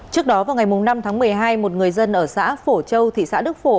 trước đó vào ngày năm tháng một mươi hai một người dân ở xã phổ châu thị xã đức phổ